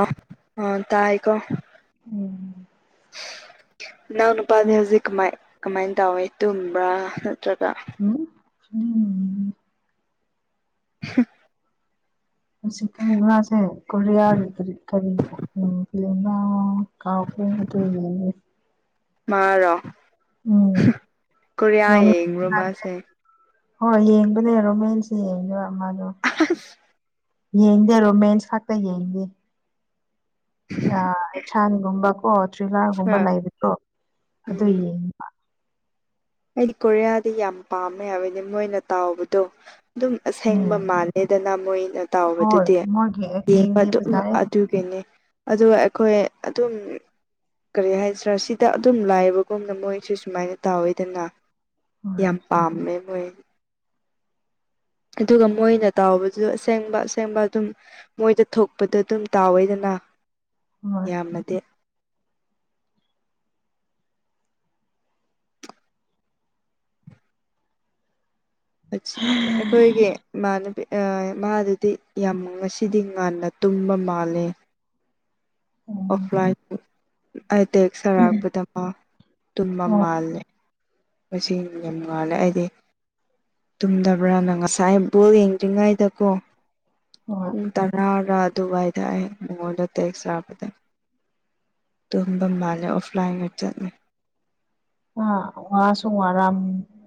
ꯑꯣ ꯑꯣ ꯇꯥꯢꯀꯣ ꯎꯝ ꯅꯅꯥꯎ ꯅꯨꯄꯥꯗꯤ ꯍꯧꯖꯤꯛ ꯀꯃꯥꯏ ꯀꯃꯥꯏꯅ ꯇꯧꯋꯤ ꯇꯨꯝꯕ꯭ꯔꯥ ꯅꯠꯇ꯭ꯔꯒ ꯗꯨꯝ ꯍꯥ ꯍꯧꯖꯤꯛꯀꯥꯟ ꯃꯥꯁꯦ ꯀꯣꯔꯤꯌꯥꯒꯤ ꯀꯔꯤ ꯀꯔꯤ ꯌꯦꯡꯕ ꯎꯝ ꯀꯥꯎ ꯎꯝ ꯑꯗꯨ ꯌꯦꯡꯔꯤ ꯃꯥꯔꯣ ꯍꯥ ꯀꯣꯔꯤꯌꯥ ꯔꯣꯃꯦꯟ ꯌꯦꯡꯕ꯭ꯔꯣ ꯃꯥꯁꯦ ꯍꯣꯏ ꯌꯦꯡꯕꯅꯦ ꯔꯣꯃꯦꯟꯁ ꯌꯦꯡꯕ ꯃꯥꯗꯣ ꯌꯦꯡꯗꯦ ꯔꯣꯃꯦꯟꯁ ꯈꯛꯇ ꯌꯦꯡꯗꯦ ꯑꯥ ꯑꯦꯛꯆꯥꯟꯒꯨꯝꯕ ꯀꯣ ꯍꯥ ꯇ꯭ꯔꯤꯂꯔꯒꯨꯝꯕ ꯂꯩꯕꯗꯣ ꯑꯗꯨ ꯎꯝ ꯌꯦꯡꯕ ꯑꯩꯗꯤ ꯀꯣꯔꯤꯌꯥꯗꯤ ꯌꯥꯝ ꯄꯥꯝꯃꯦ ꯍꯥꯏꯕꯗꯤ ꯃꯣꯏꯅ ꯇꯧꯕꯗꯣ ꯑꯗꯨꯝ ꯑꯁꯦꯡꯕ ꯎꯝ ꯃꯥꯜꯂꯦꯗꯅ ꯃꯣꯏ ꯅ ꯍꯣꯏ ꯇꯧꯕꯗꯨꯗꯤ ꯃꯣꯏꯒꯤ ꯌꯦꯡꯕ ꯑꯦꯛꯇꯤꯡꯗꯤ ꯑꯗꯨꯝ ꯐꯖꯩꯌꯦ ꯑꯗꯨꯒꯤꯅꯦ ꯑꯗꯨ ꯑꯩꯈꯣꯏ ꯑꯗꯨꯝ ꯀꯔꯤ ꯍꯥꯏꯁꯤꯔꯥ ꯁꯤꯗ ꯑꯗꯨꯝ ꯂꯥꯏꯕꯒꯨꯝꯅ ꯃꯣꯏꯁꯦ ꯁꯨꯃꯥꯏꯅ ꯇꯧꯋꯦ ꯑꯗꯨꯅ ꯍꯣꯏ ꯌꯥꯝ ꯄꯥꯝꯃꯦ ꯃꯣꯏ ꯑꯗꯨꯒ ꯃꯣꯏꯅ ꯇꯧꯕꯖꯨ ꯑꯁꯦꯡꯕ ꯑꯁꯦꯡꯕ ꯑꯗꯨꯝ ꯃꯣꯏꯗ ꯊꯣꯛꯄꯗꯨ ꯑꯗꯨꯝ ꯇꯧꯋꯦꯗꯅ ꯑꯥ ꯍꯣꯏ ꯌꯥꯝꯅꯗꯤ ꯑꯩꯈꯣꯏꯒꯤ ꯏꯃꯥꯟꯅꯕꯤ ꯑꯥ ꯃꯥ ꯑꯗꯨꯗꯤ ꯌꯥꯝ ꯉꯁꯤꯗꯤ ꯉꯟꯅ ꯇꯨꯝꯕ ꯃꯥꯜꯂꯦ ꯎꯝ ꯑꯣꯐꯂꯥꯏꯟ ꯑꯩ ꯇꯦꯛꯁ ꯊꯥꯔꯛꯄꯗ ꯃꯥ ꯇꯨꯝꯕ ꯑꯣ ꯃꯥꯜꯂꯦ ꯉꯁꯤ ꯌꯥꯝ ꯉꯥꯜꯂꯦ ꯑꯩꯗꯤ ꯇꯨꯝꯗꯕ꯭ꯔꯥꯅ ꯉꯁꯥꯏ ꯕꯣꯜ ꯌꯦꯡꯗ꯭ꯔꯤꯉꯩꯗꯀꯣ ꯍꯣꯏ ꯄꯨꯡ ꯇꯥꯔꯥꯒ ꯑꯗꯨꯋꯥꯏꯗ ꯑꯩ ꯃꯉꯣꯟꯗ ꯇꯦꯛꯁ ꯊꯥꯕꯅꯦ ꯇꯨꯝꯕ ꯃꯥꯜꯂꯦ ꯑꯣꯐꯂꯥꯏꯟꯒ ꯆꯠꯂꯦ ꯑꯥ ꯋꯥꯁꯨꯨ ꯋꯥꯔꯝ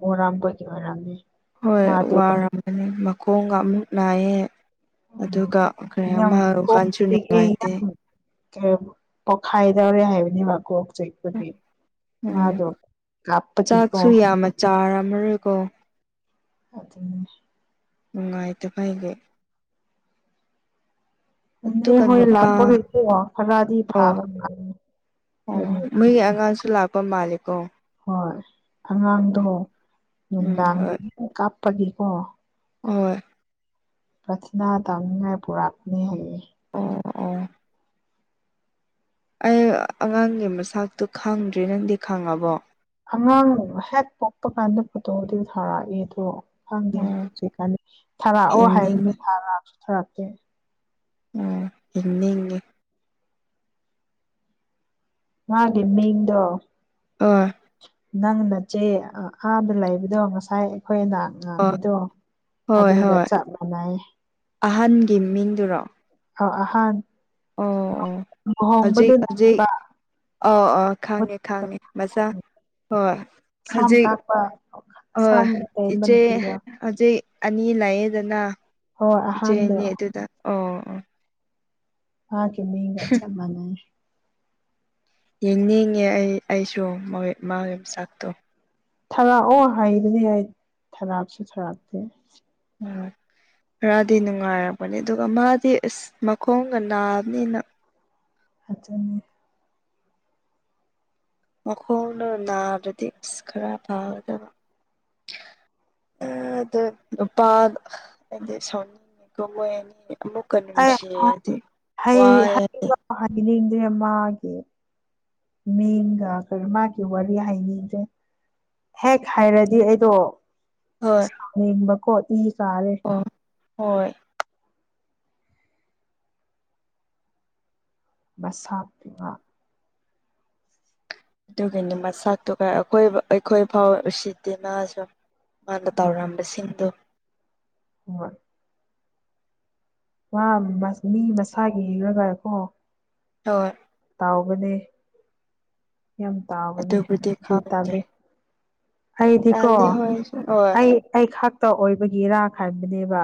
ꯋꯥꯔꯝꯕꯒꯤ ꯑꯣꯏꯔꯝꯅꯤ ꯍꯣꯏ ꯃꯥꯗꯣ ꯋꯥꯔꯝꯃꯅꯤ ꯃꯈꯣꯡꯒ ꯑꯃꯨꯛ ꯅꯥꯏꯌꯦ ꯎꯝ ꯑꯗꯨꯒꯥ ꯀꯔꯤ ꯌꯥꯝ ꯑꯃ ꯋꯥꯈꯟꯁꯨ ꯅꯨꯡꯉꯥꯏꯇꯦ ꯀꯦꯝ ꯄꯣꯈꯥꯏꯗꯧꯔꯦ ꯍꯥꯏꯕꯅꯦꯕ ꯃꯥꯀꯣꯛ ꯆꯩꯕꯒꯤ ꯎꯝ ꯃꯥꯗꯣ ꯀꯥꯞꯄꯥꯒꯤꯀꯣ ꯃꯔꯩꯀꯣ ꯑꯥꯗꯨꯅꯦ ꯅꯨꯡꯉꯥꯏꯇꯕꯩꯕꯨ ꯃꯥꯅꯦ ꯑꯗꯨꯒ ꯍꯣꯏ ꯅꯨꯄꯥ ꯂꯥꯛꯄꯒꯤꯀꯣ ꯈꯔꯥꯗꯤ ꯑꯣ ꯐꯥꯕ ꯑꯣ ꯍꯥꯏꯗꯤ ꯃꯣꯏꯒꯤ ꯑꯉꯥꯡꯁꯨ ꯂꯥꯛꯄ ꯃꯥꯜꯂꯤ ꯍꯣꯏ ꯑꯉꯥꯡꯗꯣ ꯎꯝ ꯅꯨꯡꯗꯥꯡꯗꯒꯤ ꯀꯥꯞꯄꯒꯤꯀꯣ ꯍꯣꯑꯣꯢ ꯄ꯭ꯔꯊꯥꯅꯥ ꯇꯧꯅꯤꯡꯉꯥꯏ ꯄꯨꯔꯛꯄꯅꯦ ꯍꯥꯏꯌꯦ ꯑꯣ ꯑꯣ ꯑꯩ ꯑꯉꯥꯡꯒꯤ ꯃꯁꯇꯨ ꯈꯪꯗ꯭ꯔꯤ ꯅꯪꯗꯤ ꯈꯪꯉꯥꯕꯣ ꯑꯉꯥꯡ ꯍꯦꯛ ꯄꯣꯛꯄ ꯀꯥꯟꯗ ꯐꯣꯇꯣꯗꯤ ꯊꯥꯔꯛꯒꯦꯗꯣ ꯈꯪꯗꯦ ꯑꯣ ꯍꯧꯖꯤꯛꯀꯥꯟꯗꯤ ꯊꯥꯔꯛꯑꯣ ꯍꯥꯏꯕꯅꯦ ꯌꯦꯡꯅꯤꯡꯉꯤ ꯊꯥꯔꯛꯁꯨ -ꯊꯥꯔꯛꯇꯦ ꯑꯣ ꯌꯦꯡꯅꯤꯡꯉꯦ ꯃꯥꯒꯤ ꯃꯤꯡꯗꯣ INAUDIBLE ꯅꯪ ꯅꯆꯦ ꯑꯥ ꯑꯥꯗꯥ ꯂꯩꯕꯗꯣ ꯉꯁꯥꯏ ꯑꯩꯈꯣꯏꯅ ꯑꯣ ꯂꯥꯛꯄꯗꯣ ꯍꯣꯏ ꯑꯗꯨꯒ ꯆꯞ ꯃꯥꯟꯅꯩꯍꯦ ꯀꯤ ꯃꯤꯡ ꯗꯨꯔꯣ ꯑꯣ ꯑꯍꯥꯟ ꯑꯣ ꯂꯨꯍꯣꯡꯕꯗꯨ ꯍꯧꯖꯤꯛ ꯍꯧꯖꯤꯛ ꯅꯠꯇꯕ ꯑꯣ ꯑꯣ ꯈꯪꯉꯦ ꯈꯪꯉꯦ ꯃꯆꯥ ꯍꯣꯏ ꯁꯝ ꯍꯧꯖꯤꯛ ꯀꯥꯛꯄ ꯍꯣꯢ ꯁꯝ ꯇꯦꯟꯕ ꯏꯆꯦ ꯅꯨꯄꯤꯗꯣ ꯍꯧꯖꯤꯛ ꯑꯅꯤ ꯂꯩꯌꯦꯗꯅꯥ ꯍꯣꯏ ꯏꯆꯦ ꯑꯍꯥꯟꯗꯣ ꯑꯅꯤ ꯑꯗꯨꯗ ꯑꯣ ꯑꯣ ꯃꯥꯒꯤ ꯃꯤꯡꯒ ꯆꯥꯞ ꯃꯥꯟꯅꯩꯑꯦ ꯌꯦꯡꯅꯤꯡꯉꯦ ꯑꯩ ꯑꯩꯁꯨ ꯃꯣꯢ ꯃꯥꯒꯤꯃꯁꯛꯇꯣ ꯊꯥꯔꯥꯛꯑꯣ ꯍꯩꯗꯨꯗꯤ ꯑꯩ ꯊꯥꯔꯥꯛꯁꯨ-ꯊꯥꯔꯛꯇꯦ ꯎꯝ INAUDIBLE ꯈꯔꯗꯤ ꯅꯨꯡꯉꯥꯏꯔꯛꯄꯅꯤ ꯑꯗꯨꯒ ꯃꯥꯗꯤ ꯑꯥꯁ ꯃꯈꯣꯡꯒ ꯅꯥꯕꯅꯤꯅ INAUDIBLE ꯃꯈꯣꯡꯗꯣ ꯅꯥꯗ꯭ꯔꯗꯤ ꯢꯁ ꯈꯔ ꯐꯒꯗꯕ ꯑꯥꯗ ꯅꯨꯄꯥꯗꯨ ꯑꯩꯗꯤ ꯁꯥꯎꯅꯤꯡꯉꯤꯀꯣ ꯃꯣꯏ ꯑꯅꯤ ꯑꯃꯨꯛꯀ ꯑꯩ ꯅꯨꯡꯁꯤꯌꯦꯗꯤ ꯋꯥꯏꯌꯦꯗꯤ ꯁꯤ ꯃꯥꯒꯤ ꯃꯤꯡꯒ ꯀꯥ ꯃꯥꯒꯤ ꯋꯥꯔꯤ ꯍꯥꯏꯅꯤꯡꯗ꯭ꯔꯦ ꯍꯦꯛ ꯍꯥꯏꯔꯗꯤ ꯑꯩꯗꯣ ꯍꯣꯏ ꯁꯥꯎꯅꯤꯡꯕ ꯀꯣ ꯢ ꯑꯣ ꯍꯣꯏ ꯃꯁꯥꯛ ꯇꯨꯒ ꯑꯗꯨꯒꯅꯤ ꯃꯆꯥꯛꯇꯨꯒ ꯑꯩꯈꯣꯏ ꯑꯩꯈꯣꯏ ꯐꯥꯎ ꯎꯁꯤꯠꯇꯦ ꯃꯥꯁꯨ ꯃꯥꯅ ꯇꯧꯔꯝꯕꯁꯤꯡꯗꯣ ꯍꯣꯢ ꯃꯥ ꯃꯤ ꯃꯁꯥꯒꯤ ꯍꯔꯒꯀꯣ ꯍꯣꯢ ꯇꯥꯎꯕꯅꯦ ꯌꯥꯝ ꯇꯥꯕꯅꯦ ꯑꯗꯨꯕꯨꯗꯤ ꯍꯥꯏꯗꯤ ꯈꯪꯗꯦ ꯇꯥꯜꯂꯤ ꯑꯩꯗꯤꯀꯣ ꯇꯜꯂꯤ ꯍꯣꯏ ꯍꯣꯏ ꯑꯩ ꯑꯩ ꯈꯥꯛꯇ ꯑꯣꯏꯕꯒꯤꯔ ꯈꯟꯕꯅꯦꯕ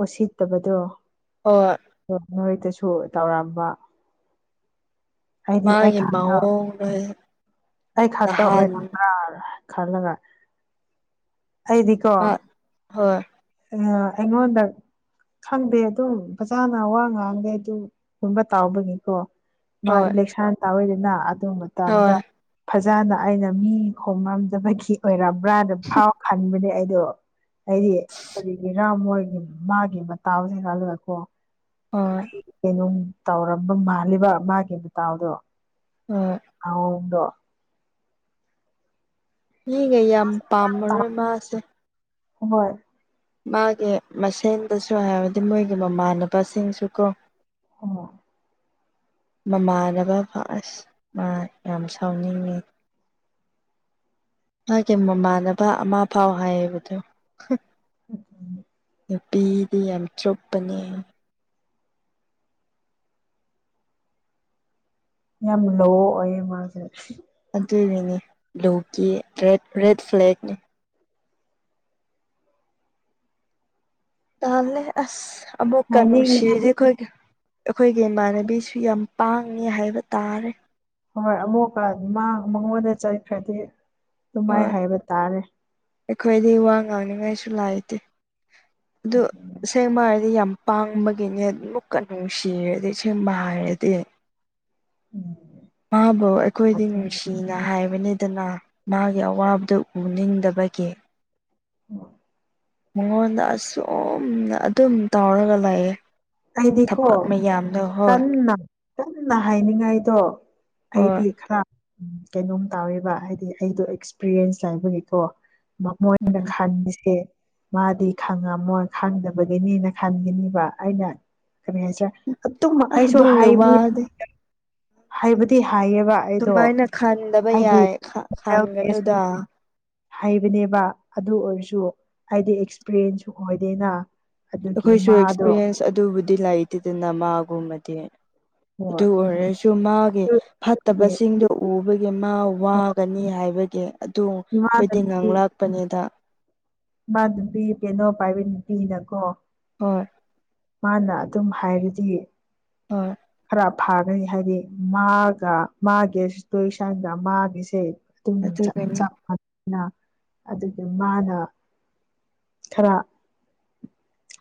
ꯑꯣꯁꯤꯠꯇꯕꯗꯣ ꯍꯣꯢ ꯅꯣꯏꯗꯁꯨ ꯇꯧꯔꯝꯕ ꯍꯥꯏꯗꯤ ꯑꯩ ꯃꯥꯒꯤ ꯈꯥꯛꯛꯇ ꯃꯑꯣꯡ ꯅꯣꯏ ꯑꯩ ꯈꯛꯇ ꯅꯍꯥꯟ ꯑꯣꯏꯔꯝꯕ꯭ꯔꯥ ꯈꯜꯂꯒ ꯑꯩꯗꯤꯀꯣ ꯃꯥ ꯍꯣꯏ ꯑꯥ ꯑꯩꯉꯣꯟꯗ ꯈꯪꯗꯦ ꯑꯗꯨꯝ ꯐꯖꯥꯅ ꯋꯥ ꯉꯥꯡꯗꯦ ꯑꯗꯨꯒꯨꯝꯕ ꯇꯥꯎꯕꯒꯤꯀꯣ ꯃꯥ ꯍꯣꯏ ꯏꯂꯦꯛꯁꯟ ꯇꯥꯋꯤꯗꯅ ꯑꯗꯨ ꯃꯇꯝꯗ ꯍꯣꯏ ꯐꯖꯅ ꯑꯩꯅ ꯃꯤ ꯈꯣꯡꯉꯝꯗꯕꯒꯤ ꯑꯣꯏꯔꯕ꯭ꯔꯥꯅ ꯐꯥꯎ ꯈꯟꯕꯅꯤ ꯑꯩ ꯑꯗꯣ ꯍꯥꯏꯗꯤ ꯀꯔꯤꯒꯤꯔ ꯃꯣꯏ ꯃꯥꯒꯤ ꯃꯇꯥꯎꯁꯦ ꯈꯜꯂꯒꯀꯣ ꯍꯣꯏ ꯑꯩ ꯀꯩꯅꯣꯝ ꯇꯧꯔꯝꯕ ꯃꯥꯜꯂꯤꯕ ꯃꯥꯒꯤ ꯃꯇꯥꯎꯗꯣ ꯍꯣꯏ ꯑꯥꯎꯗꯣ ꯃꯤꯒ ꯌꯥꯝ ꯄꯥꯝꯃꯔꯣꯏ ꯃꯥꯁꯦ ꯍꯣꯏ ꯃꯥꯒꯤ ꯃꯁꯦꯟꯗꯁꯨ ꯍꯥꯏꯕꯗꯤ ꯃꯣꯏꯒꯤ ꯃꯃꯥꯟꯅꯕꯁꯤꯡꯁꯨ ꯀꯣ ꯍꯣꯢ ꯃꯃꯥꯟꯅꯕ ꯐꯁ ꯃꯥ ꯌꯥꯝ ꯁꯥꯎꯅꯤꯡꯉꯦ ꯃꯒꯤ ꯃꯃꯥꯟꯅꯕ ꯑꯃ ꯐꯥꯎ ꯍꯥꯏꯌꯦꯕꯗꯨ [inaudible] ꯅꯨꯄꯤꯗꯤ ꯌꯥꯝ ꯆꯨꯞꯄꯅꯦ ꯌꯥꯝ ꯂꯣ ꯑꯣꯏꯌꯦ ꯃꯥꯁꯦ ꯑꯗꯨꯒꯤꯅꯦ ꯕ꯭ꯂꯨꯒꯤ ꯔꯦ ꯔꯦꯠ ꯐ꯭ꯂꯦꯛꯅꯤ ꯇꯥꯜꯂꯦ ꯑꯁ ꯑꯃꯨꯛꯀ ꯍꯥꯏꯅꯤꯡꯗꯦ ꯅꯨꯡꯁꯤꯔꯗꯤ ꯑꯩꯈꯣꯏꯒꯥ ꯑꯩꯈꯣꯏꯒꯤ ꯏꯃꯥꯟꯅꯕꯤꯁꯨ ꯌꯥꯝ ꯄꯥꯡꯉꯤ ꯍꯥꯏꯕ ꯇꯥꯔꯦ ꯍꯣꯏ ꯑꯃꯨꯛꯀ ꯃꯉꯣꯟꯗ ꯆꯠꯈ꯭ꯔꯗꯤ ꯑꯗꯨꯃꯥꯏ ꯍꯣꯏ ꯍꯥꯏꯕ ꯇꯥꯔꯦ ꯑꯩꯈꯣꯏꯗꯤ ꯋꯥ ꯉꯥꯡꯅꯤꯡꯉꯥꯏꯁꯨ ꯂꯩꯇꯦ ꯑꯗꯨ ꯑꯁꯦꯡꯕ ꯍꯥꯏꯔꯗꯤ ꯌꯥꯝ ꯄꯥꯡꯕꯒꯤꯅꯦ ꯑꯃꯨꯛꯀ ꯅꯨꯡꯁꯤꯔꯗꯤ ꯁꯦꯡꯕ ꯍꯥꯏꯔꯗꯤ ꯎꯝ ꯃꯥꯕꯨ ꯑꯩꯈꯣꯏꯗꯤ ꯑꯗꯨꯅꯦ ꯅꯨꯡꯁꯤꯅ ꯍꯥꯏꯕꯅꯤꯗꯅ ꯃꯥꯒꯤ ꯑꯋꯥꯕꯗꯨ ꯎꯅꯤꯡꯗꯕꯒꯤ ꯎꯝ ꯃꯉꯣꯟꯗ ꯑꯁꯨꯝ ꯑꯗꯨꯝ ꯇꯧꯔꯒ ꯂꯩꯥꯌꯦ ꯍꯥꯏꯗꯤꯀꯣ ꯀꯟꯅ ꯀꯟꯅ ꯍꯥꯏꯅꯤꯡꯉꯥꯏꯗꯣ ꯍꯣꯏ ꯑꯩꯗꯤ ꯈꯔ ꯎꯝ ꯀꯩꯅꯣꯝ ꯇꯧꯋꯦꯕ ꯍꯥꯏꯗꯤ ꯑꯩꯗꯣ ꯑꯦꯛꯁꯄꯤꯔꯤꯌꯦꯟꯁ ꯍꯥꯏꯕꯒꯤꯀꯣ ꯃꯃꯣꯏꯅ ꯎꯝ ꯈꯟꯃꯤꯁꯦ ꯃꯥꯗꯤ ꯈꯪꯉꯝꯃꯣꯏ ꯈꯪꯗꯕꯒꯤꯅꯤꯅ ꯈꯟꯈꯤꯅꯤꯕ ꯑꯩꯅ ꯀꯔꯤ ꯍꯥꯏꯁꯦꯔ ꯑꯗꯨꯨꯝ ꯑꯩꯁꯨ ꯑꯗꯨꯒꯤ ꯍꯥꯏꯕꯤ ꯋꯥꯗꯤ ꯍꯥꯏꯕꯗꯤ ꯍꯥꯏꯌꯦꯕ ꯑꯩꯗꯣ ꯑꯗꯨꯃꯥꯏꯅ ꯈꯟꯗꯕ ꯑꯩꯒꯤ ꯌꯥꯏ ꯈꯟꯒꯅꯨꯗ ꯍꯩꯕꯅꯦꯕ ꯑꯗꯨ ꯑꯣꯏꯔꯁꯨ ꯑꯩꯗꯤ ꯑꯦꯛꯁꯄꯔꯤꯌꯦꯟꯁꯁꯨ ꯑꯣꯏꯗꯦꯅ ꯑꯗꯨꯒꯤ ꯑꯩꯈꯣꯏꯁꯨ ꯃꯥꯗꯣ ꯑꯦꯛꯁꯄꯤꯔꯤꯌꯦꯟꯁ ꯑꯗꯨꯕꯨꯗꯤ ꯂꯩꯇꯦꯗꯅ ꯃꯥꯒꯨꯝꯕꯗꯤ ꯑꯣ ꯑꯗꯨ ꯑꯣꯏꯔꯁꯨ ꯃꯥꯒꯤ ꯐꯠꯇꯕꯁꯤꯡꯗꯣ ꯎꯕꯒꯤ ꯃꯥ ꯋꯥꯒꯅꯤ ꯍꯥꯏꯕ ꯀꯤ ꯑꯗꯨ ꯑꯩꯗꯤ ꯉꯥꯡ ꯂꯥꯛꯄꯅꯦꯗ ꯃꯥ ꯅꯨꯄꯤ ꯀꯩꯅꯣ ꯄꯥꯏꯕꯤ ꯅꯨꯄꯤꯅꯀꯣ ꯍꯣꯏ ꯃꯥꯅ ꯑꯗꯨꯝ ꯍꯥꯏꯔꯗꯤ ꯍꯣꯏ ꯈꯔ ꯐꯥꯒꯅꯤ ꯍꯥꯏꯗꯤ ꯃꯥꯒ ꯃꯥꯒꯤ ꯁꯤꯇꯔꯤꯁꯥꯏꯟꯒ ꯃꯥꯒꯤꯁꯦ ꯑꯗꯨꯝ ꯆꯞ ꯑꯗꯨꯒꯅꯤ ꯆꯞ ꯑꯗꯨꯒꯤ ꯃꯥꯅ ꯈꯔ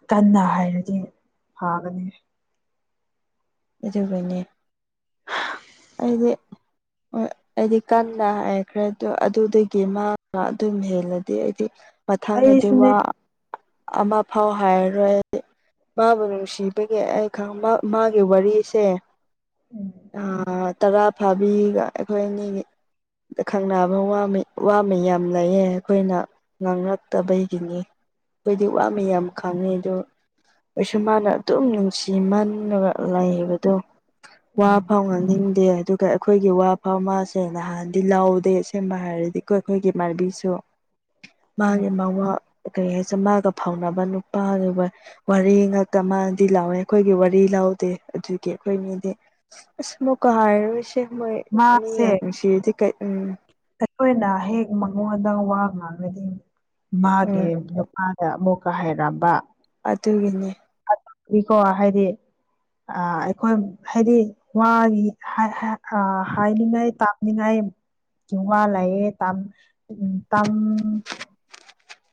ꯀꯟꯅ ꯍꯥꯏꯔꯗꯤ ꯐꯒꯅꯤ ꯑꯗꯨꯒꯅꯦ ꯑꯩꯗꯤ ꯍꯣꯏ ꯑꯩꯗꯤ ꯀꯟꯅ ꯍꯥꯏꯈ꯭ꯔꯦ ꯑꯗꯨꯗ ꯑꯗꯨꯗꯨꯒꯤ ꯃꯥ ꯑꯗꯨꯝ ꯍꯦꯜꯂꯗꯤ ꯑꯩꯗꯤ ꯃꯊꯪꯗꯗꯤ ꯑꯩꯁꯨꯅꯦ ꯋꯥ ꯑꯃ ꯐꯥꯎ ꯍꯥꯏꯔꯔꯣꯏ ꯑꯩꯗꯤ ꯃꯥꯕꯨ ꯅꯨꯡꯁꯤꯕꯒꯤ ꯑꯩ ꯈꯪꯕ ꯃꯥꯒꯤ ꯋꯥꯔꯤꯁꯦ ꯎꯝ ꯑꯥ ꯇꯔꯥ ꯐꯥꯕꯤꯒ ꯑꯩꯈꯣꯏ ꯑꯅꯤꯒꯤ ꯑꯥ ꯈꯪꯅꯕ ꯋꯥ ꯃꯤꯌꯥꯝ ꯂꯩꯌꯦ ꯑꯩꯈꯣꯏꯅ ꯉꯥꯡꯔꯛꯇꯕꯒꯤꯅꯤ ꯑꯩꯈꯣꯏꯗꯤ ꯋꯥ ꯃꯌꯥꯝ ꯈꯥꯡꯉꯤ ꯑꯗꯣ ꯑꯩꯁꯨ ꯃꯥꯅ ꯑꯗꯨꯝ ꯅꯨꯡꯁꯤꯃꯜꯂꯒ ꯂꯩꯕꯗꯣ ꯋꯥ ꯎꯝ ꯐꯥꯎꯍ ꯗꯦ ꯑꯗꯨꯒ ꯑꯩꯈꯣꯏꯒꯤ ꯋꯥꯐꯧ ꯃꯁꯦ ꯅꯍꯥꯟꯗꯤ ꯂꯥꯎꯗꯦ ꯁꯦꯝꯕ ꯍꯥꯏꯔꯗꯤ ꯑꯩꯈꯣꯏꯒꯤ ꯏꯃꯥꯟꯅꯕꯤ ꯁꯨ ꯃꯥꯒꯤ ꯑꯣ ꯃꯥꯋꯥ ꯀꯩ ꯍꯥꯏ ꯆ ꯃꯥꯒ ꯐꯥꯎꯅꯕ ꯅꯨꯄꯥꯒꯤ ꯋꯥꯔꯤ ꯉꯥꯛꯇ ꯃꯥꯗꯤ ꯂꯥꯎꯋꯦ ꯑꯩꯈꯣꯏꯒꯤ ꯋꯥꯔꯤ ꯂꯥꯎꯗꯦ ꯑꯗꯨꯒꯤ ꯑꯩꯈꯣꯏ ꯃꯤꯗꯤ ꯑꯁ ꯑꯃꯨꯛꯀ ꯍꯥꯏꯔꯔꯣꯏꯁꯦ ꯃꯣꯏ ꯑꯅꯤ ꯃꯥꯁꯦ ꯌꯥꯝ ꯅꯨꯡꯁꯤꯔꯗꯤ ꯀꯩ ꯎꯝ ꯑꯩꯈꯣꯏꯅ ꯍꯦꯛ ꯃꯉꯣꯟꯗ ꯋꯥ ꯗꯤ ꯃꯥꯒꯤ ꯎꯝ ꯅꯨꯄꯥꯗ ꯑꯃꯨꯛꯀ ꯍꯥꯏꯔꯝꯕ ꯑꯗꯨꯒꯤꯅꯦ ꯀꯣ ꯍꯥꯏꯗꯤ ꯑꯥ ꯑꯩꯈꯣꯏ ꯍꯥꯏꯗꯤ ꯋꯥꯒꯤ ꯍꯥꯏ ꯍꯥꯏ ꯑꯥ ꯍꯥꯏꯅꯤꯡꯉꯥꯏ ꯇꯥꯛ ꯃꯤꯅꯥꯏ ꯋꯥ ꯂꯩꯑꯌꯦ ꯇꯝ ꯎꯝ ꯇꯝ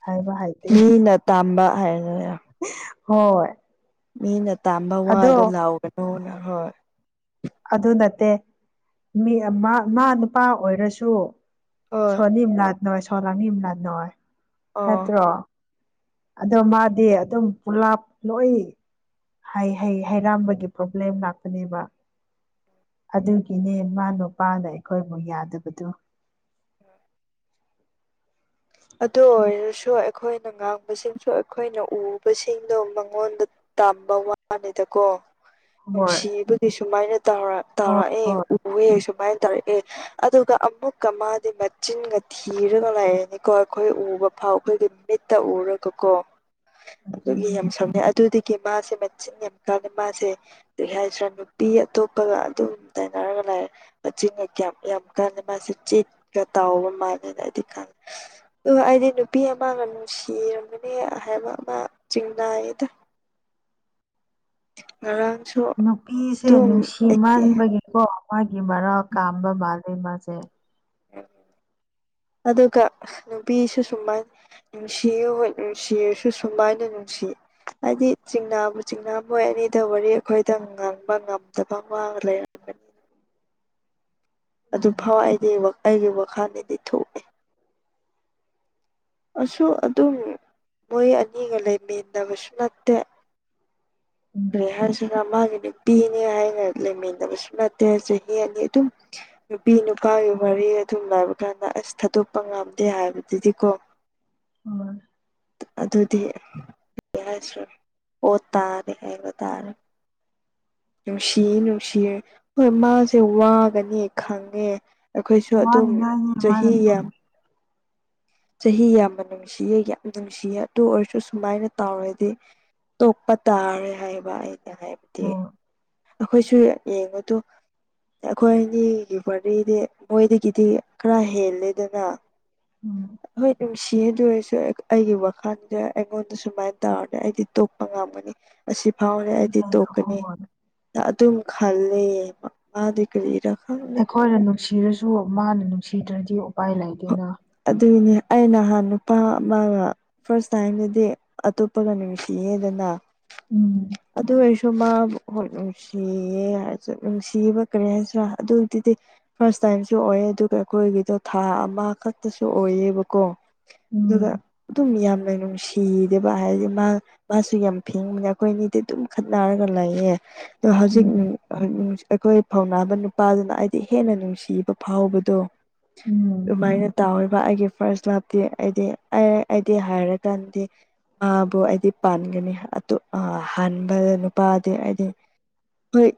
ꯍꯥꯏꯕ ꯍꯥꯏꯇꯦ ꯃꯤꯅ ꯇꯝꯕ ꯍꯥꯏꯔꯅꯦ ꯍꯣꯏ ꯃꯤꯅ ꯇꯝꯕ ꯑꯗꯣ ꯋꯥꯗꯣ ꯂꯥꯎꯒꯅꯨꯅ ꯍꯣꯏ ꯑꯗꯨ ꯅꯠꯇꯦ ꯃꯤ ꯑꯃꯥ ꯃꯥ ꯅꯨꯄꯥ ꯑꯣꯏꯔꯁꯨ ꯍꯣꯏ ꯁꯣꯅꯤꯝ ꯂꯥꯠ ꯅꯣꯏ ꯁꯣ ꯂꯥꯅꯤꯝ ꯂꯥ ꯅꯣꯏ ꯑꯥ ꯅꯠꯇ꯭ꯔꯣ ꯑꯗꯣ ꯃꯥꯗꯤ ꯑꯗꯨꯝ ꯄꯨꯂꯞ ꯂꯣꯏ ꯍꯩ ꯍꯩ ꯍꯩꯔꯥꯝꯕꯒꯤ ꯄꯔꯣꯕ꯭ꯂꯦꯝ ꯂꯥꯛꯄꯅꯦꯕ ꯑꯗꯨꯒꯤꯅꯦ ꯃꯥ ꯅꯨꯄꯥꯅ ꯑꯩꯈꯣꯏꯕꯨꯨ ꯌꯥꯗꯕꯗꯨ [inaudible] ꯑꯗꯨ ꯑꯣꯏꯔꯁꯨ ꯑꯩꯈꯣꯏꯅ ꯉꯥꯡꯕꯁꯤꯡꯁꯨ ꯑꯩꯈꯣꯏꯅ ꯎꯕꯁꯤꯡꯗꯣ ꯃꯉꯣꯟꯗ ꯇꯝꯕ ꯋꯥꯅꯤꯗ ꯀꯣ ꯍꯣꯏ ꯅꯨꯡꯁꯤꯕꯒꯤ ꯁꯨꯃꯥꯏꯅ ꯇꯧꯔꯥ ꯍꯣꯏ ꯇꯧꯔꯛꯑꯦ ꯍꯣꯏ ꯎꯋꯦ ꯁꯨꯃꯥꯏ ꯇꯧꯔꯛꯑꯦ ꯑꯗꯨꯒ ꯑꯃꯨꯛꯀ ꯃꯥꯗꯤ ꯃꯆꯤꯟꯒ ꯊꯤꯔꯒ ꯂꯩꯔꯅꯤ ꯀꯣ ꯑꯩꯈꯣꯏ ꯎꯕ ꯐꯥꯎ ꯑꯩꯈꯣꯏꯒꯤ ꯃꯤꯠꯇ ꯎꯔꯒ ꯀꯣ ꯑꯗꯨꯒꯤ ꯑꯗꯨꯅꯦ ꯌꯥꯝ ꯁꯝꯅꯦ ꯑꯗꯨꯗꯤ ꯀꯦ ꯃꯥꯁꯦ ꯃꯆꯤꯟ ꯌꯥꯝ ꯀꯥꯂꯦ ꯃꯥꯁꯦ ꯑꯗꯨ ꯍꯥꯏꯁꯤꯔꯥ ꯅꯨꯄꯤ ꯑꯇꯣꯞꯄꯒ ꯑꯗꯨꯝ ꯇꯩꯅꯔꯒ ꯂꯦ ꯃꯆꯤꯟꯒ ꯀꯌꯥꯝ ꯌꯥꯝ ꯀꯥꯟꯅꯦ ꯃꯥꯁꯦ ꯆꯦꯠꯀ ꯇꯥꯎꯕ ꯃꯥꯜꯂꯦꯅ ꯑꯩꯗꯤ ꯀꯟ [inaudible] ꯑꯣ ꯑꯩꯗꯤ ꯅꯨꯄꯤ ꯑꯃꯒ ꯅꯨꯡꯁꯤꯔꯝꯕꯅꯦ ꯍꯥꯏꯕ ꯑꯃ ꯆꯤꯡꯅꯥꯏꯌꯦꯗ [inaudible] ꯉꯔꯥꯡ ꯅꯨꯄꯤꯁꯦ ꯅꯨꯡꯁꯤꯃꯟꯕꯒꯤꯀꯣ ꯃꯥꯒꯤ ꯃꯔꯥꯜ ꯀꯥꯝꯕ ꯃꯥꯜꯂꯦ ꯃꯥꯁꯦ [inaudible] [inaudible] ꯑꯗꯨꯒ ꯅꯨꯄꯤꯁꯨ ꯁꯨꯃꯥꯏ ꯅꯨꯡꯁꯤꯌꯨ ꯍꯣꯏ ꯅꯨꯡꯁꯤꯔꯁꯨ ꯁꯨꯃꯥꯏꯅ ꯅꯨꯡꯁꯤ ꯍꯥꯏꯗꯤ ꯆꯤꯡꯅꯥꯕꯨ ꯆꯤꯡꯅꯥ ꯃꯣꯏ ꯑꯅꯤꯗ ꯋꯥꯔꯤ ꯑꯩꯈꯣꯏꯗ ꯉꯥꯡꯕ ꯉꯝꯗꯕ ꯋꯥ ꯂꯩꯔꯝꯒꯅꯤ [inaudible] ꯑꯗꯨ ꯎꯝ ꯐꯥꯎ ꯑꯩꯗꯤ ꯋꯥ ꯑꯩꯒꯤ ꯋꯥꯈꯜꯗꯗꯤ ꯊꯣꯛꯑꯦ ꯑꯁꯨ ꯑꯗꯨꯝ ꯃꯣꯏ ꯑꯅꯤꯒ ꯂꯩꯃꯤꯟꯅꯕꯁꯨ ꯅꯠꯇꯦ ꯎꯝ ꯀꯔꯤ ꯍꯥꯏꯁꯤꯔ ꯃꯥꯒꯤ ꯅꯨꯄꯤꯅꯦ ꯍꯥꯏꯅ ꯂꯩꯃꯤꯟꯅꯕꯁꯨ ꯅꯠꯇꯦ ꯑꯁꯦ ꯌꯦꯅꯤ ꯑꯗꯨꯝ ꯅꯨꯄꯤ ꯅꯨꯄꯥꯒꯤ ꯋꯥꯔꯤ ꯇꯨꯝꯂꯕ ꯀꯥꯟꯗ ꯑꯁ ꯊꯥꯗꯣꯛꯄ ꯉꯝꯗꯦ ꯍꯥꯏꯕꯗꯨꯗꯤꯀꯣ ꯎꯝ ꯑꯗꯨꯗꯤ ꯀ꯭ꯔꯤ ꯍꯥꯏꯁꯦꯔ ꯑꯣꯠ ꯇꯥꯔꯦ ꯍꯥꯏꯕ ꯇꯥꯔꯦ ꯅꯨꯡꯁꯤ ꯅꯨꯡꯁꯤꯌꯦ ꯍꯣꯏ ꯃꯥꯁꯦ ꯋꯥꯒꯅꯤ ꯈꯪꯉꯦ ꯑꯩꯈꯣꯏꯁꯨ ꯑꯗꯨꯝ ꯋꯥꯅꯤꯡꯉꯥꯏꯅꯤ ꯃꯥꯅ ꯆꯍꯤ ꯌꯥꯝ ꯆꯍꯤ ꯌꯥꯝꯅ ꯅꯨꯡꯁꯤꯌꯦ ꯌꯥꯝ ꯅꯨꯡꯁꯤꯌꯦ ꯑꯗꯨ ꯑꯣꯏꯔꯁꯨ ꯁꯨꯃꯥꯏꯅ ꯇꯧꯔꯗꯤ ꯇꯣꯛꯄ ꯇꯥꯔꯦ ꯍꯥꯏꯕ ꯑꯩꯅ ꯍꯥꯏꯕꯗꯤ ꯍꯣꯏ ꯑꯩꯈꯣꯏꯁꯨ ꯌꯦꯡꯉꯨꯗꯣ ꯑꯩꯈꯣꯏ ꯑꯅꯤꯒꯤ ꯋꯥꯔꯤꯗꯤ ꯃꯣꯏꯗꯒꯤꯗꯤ ꯈꯔ ꯍꯦꯜꯂꯦꯗꯅ ꯎꯝ ꯅꯨꯡꯁꯤ ꯑꯗꯨ ꯑꯣꯏꯔꯁꯨ ꯑꯩꯒꯤ ꯋꯥꯈꯜꯗ ꯑꯩꯉꯣꯟꯗ ꯁꯨꯃꯥꯏ ꯇꯧꯔꯗꯤ ꯑꯩꯗꯤ ꯇꯣꯛꯄ ꯉꯝꯒꯅꯤ ꯑꯁꯤ ꯍꯥꯎꯔꯦ ꯑꯩꯗꯤ ꯊꯣꯛꯀꯅꯤ ꯍꯣꯏ ꯑꯗꯨꯝ ꯈꯜꯂꯦ ꯃꯥꯗꯤ ꯀꯔꯤꯔ ꯑꯩꯈꯣꯏꯅ ꯅꯨꯡꯁꯤꯔꯁꯨ ꯃꯥꯅ ꯅꯨꯡꯁꯤꯗ꯭ꯔꯗꯤ ꯎꯄꯥꯏ ꯂꯩꯇꯦꯅ ꯑꯗꯨꯏꯅꯦ ꯑꯩ ꯅꯍꯥꯟ ꯅꯨꯄꯥ ꯃꯥꯒ ꯐꯥꯔꯁ ꯇꯥꯏꯝꯗꯗꯤ ꯑꯇꯣꯞꯄꯒ ꯅꯨꯡꯁꯤ ꯌꯦꯗꯅ ꯎꯝ ꯑꯗꯨ ꯑꯣꯏꯔꯁꯨ ꯃꯥ ꯍꯣꯏ ꯅꯨꯡꯁꯤꯌꯦ ꯍꯥꯏꯔꯁꯨ ꯅꯨꯡꯁꯤꯕ ꯀꯔꯤ ꯍꯥꯏꯁꯤꯔꯥ ꯑꯗꯨꯗꯨꯗꯤ ꯐꯥꯔꯁ ꯇꯥꯏꯝꯁꯨ ꯑꯣ ꯑꯣꯌꯦ ꯑꯗꯨꯒ ꯑꯩꯈꯣꯏꯒꯤꯗꯨ ꯊꯥ ꯑꯃꯥ ꯈꯛ ꯇꯁꯨ ꯑꯣꯏꯌꯦꯕꯀꯣ ꯑꯗꯨꯒ ꯎꯝ ꯑꯗꯨꯝ ꯌꯥꯝ ꯂꯩ ꯅꯨꯡꯁꯤꯗꯦꯕ ꯍꯥꯏꯔꯗꯤ ꯃꯥ ꯃꯥꯁꯨ ꯌꯥꯝ ꯐꯤꯡꯕꯅꯦ ꯑꯩꯈꯣꯏ ꯑꯅꯤꯗꯤ ꯑꯗꯨꯝ ꯈꯠꯅꯔꯒ ꯂꯩꯌꯦ ꯑꯗꯣ ꯍꯧꯖꯤꯛ ꯎꯝ ꯅꯨ ꯑꯩꯈꯣꯏ ꯐꯧꯅꯥꯅꯕ ꯅꯨꯄꯥꯗꯨꯅ ꯑꯩꯗꯤ ꯍꯦꯟꯅ ꯅꯨꯡꯁꯤꯕ ꯐꯥꯎꯕꯗꯣ ꯎꯝ ꯌꯥꯔꯤꯕ ꯑꯩꯒꯤ ꯐꯥꯔꯁ ꯂꯚꯇꯤ ꯑꯩꯗꯤ ꯑꯩ ꯑꯩꯗꯤ ꯍꯥꯏꯔꯀꯥꯟꯗꯤ ꯃꯥꯕꯨ ꯑꯩꯗꯤ ꯄꯥꯟꯒꯅꯤ ꯑꯗꯨ ꯍꯥꯟꯕ ꯅꯨꯄꯥꯗꯤ ꯑꯩꯗꯤ ꯍꯣꯏ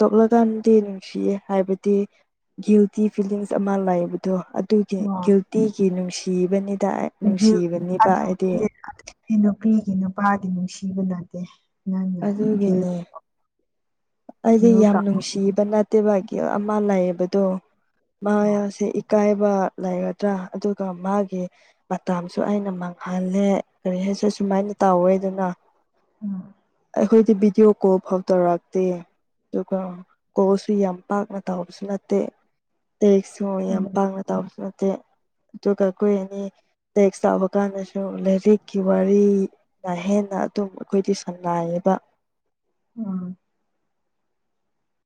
ꯇꯣꯛꯂꯀꯥꯟꯗꯤ ꯅꯨꯡꯁꯤꯌꯦ ꯍꯥꯏꯕꯗꯤ ꯒꯤꯜꯇꯤ ꯐꯤꯂꯤꯡꯁ ꯑꯃ ꯂꯥꯛꯕꯗꯣ ꯑꯗꯨꯒꯤ ꯒꯤꯜꯇꯤꯒꯤ ꯅꯨꯡꯁꯤꯕꯅꯤ INAUDIBLE ꯎꯅꯗꯦ ꯅꯪꯅꯒꯤꯜ ꯑꯗꯨꯒꯤꯅꯦ ꯑꯩꯗꯤ ꯌꯥꯝ ꯅꯨꯡꯁꯤꯕ ꯅꯠꯇꯦꯕ ꯒꯤ ꯑꯃ ꯂꯩꯌꯦ ꯕꯗꯣ ꯃꯥ ꯍꯣꯏ ꯌꯥꯁꯦ ꯏꯀꯥꯏ ꯕꯥ ꯂꯩꯒꯗ꯭ꯔꯥ ꯑꯗꯨꯒ ꯃꯥꯒꯤ ꯃꯇꯥꯝꯁꯨ ꯑꯩꯅ ꯃꯥꯡꯍꯜꯂꯦ ꯀꯔꯤ ꯍꯥꯏꯁꯤ ꯁꯨꯃꯥꯏꯅ ꯇꯧꯋꯦ ꯑꯗꯨꯅꯥ INAUDIBLE ꯈꯣꯏꯗꯤ ꯕꯤꯗꯤꯑꯣ ꯀꯣꯜꯐꯥꯎ ꯇꯧꯔꯛ ꯇꯦ ꯑꯗꯨꯒ ꯀꯣꯜꯁꯨ ꯌꯥꯝ ꯄꯥꯛꯅ ꯇꯧꯔꯛꯄꯁꯨ ꯅꯠꯇꯦ ꯂꯥꯢꯔꯤꯛꯁꯨ ꯌꯥꯝ ꯎꯝ ꯄꯥꯛꯅ ꯇꯧꯕꯁꯨ ꯅꯠꯇꯦ ꯑꯗꯨꯒ ꯈꯣꯏ ꯑꯅꯤ ꯇꯦꯛꯁ ꯇꯧꯕ ꯀꯥꯟꯗꯁꯨ ꯂꯥꯏꯔꯤꯛꯀꯤ ꯋꯥꯔꯤꯅ ꯍꯦꯟꯅ ꯑꯗꯨꯝ ꯑꯩꯈꯣꯏꯗꯤ ꯁꯥꯟꯅꯩꯌꯦꯕ INAUDIBLE